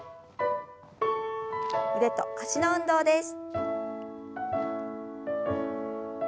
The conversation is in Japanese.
腕と脚の運動です。